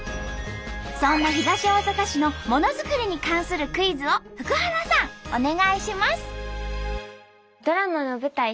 そんな東大阪市のモノづくりに関するクイズを福原さんお願いします！